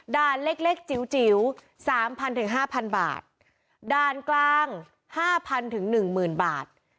ด่านเล็กจิ๋ว๓๐๐๐๕๐๐๐บาทด่านกลาง๕๐๐๐๑๐๐๐๐บาท